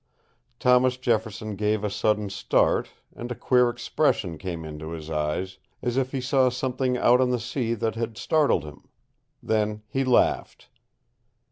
Thomas Jefferson gave a sudden start, and a queer expression came into his eyes, as if he saw something out on the sea that had startled him. Then he laughed.